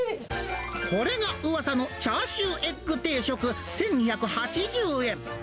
これがうわさのチャーシューエッグ定食１２８０円。